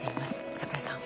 櫻井さん。